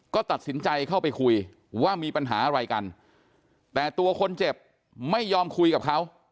ก็ตัดสินใจเข้าไปคุยว่ามีปัญหาอะไรกันแต่ตัวคนเจ็บไม่ยอมคุยกับเขา